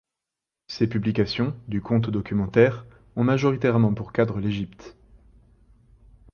Ses publications, du conte au documentaire, ont majoritairement pour cadre l’Égypte.